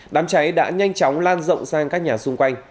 đám cháy đã nhanh chóng lan rộng sang các nhà xung quanh